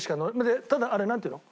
ただあれなんていうの？